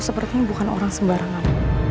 sepertinya bukan orang sembarangan